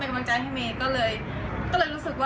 เมย์ได้ชนะหวังอีฮานได้แล้วนะคะ